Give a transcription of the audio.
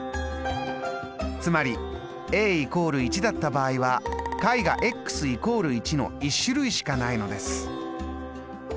つまり＝１だった場合は解が＝１の１種類しかないのです。